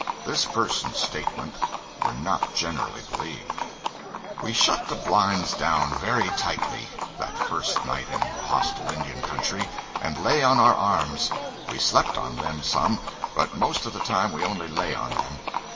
This person's statements were not generally believed. 076.jpg (53K) We shut the blinds down very tightly that first night in the hostile Indian country, and lay on our arms. We slept on them some, but most of the time we only lay on them.